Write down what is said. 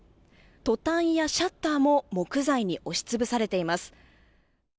トタンやシャッターも木材に押しつぶされています。